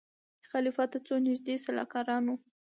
خلیفه ته څو نیژدې سلاکارانو